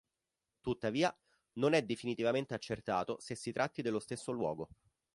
Tuttavia, non è definitivamente accertato se si tratti dello stesso luogo.